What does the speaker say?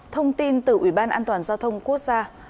thông tin từ ủy ban an toàn giao thông quốc gia